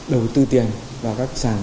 đầu tư tiền vào các sàn